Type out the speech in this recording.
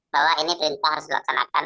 bahwa ini perintah harus dilaksanakan